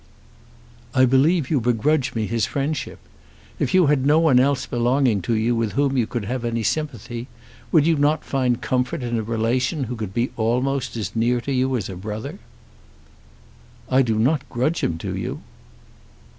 "I believe you begrudge me his friendship. If you had no one else belonging to you with whom you could have any sympathy, would not you find comfort in a relation who could be almost as near to you as a brother?" "I do not grudge him to you."